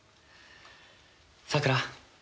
さくら